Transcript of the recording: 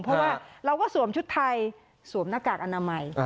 เพราะว่าเราก็สวมชุดไทยสวมหน้ากากอนามัย